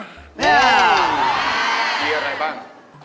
มีอะไรบ้าง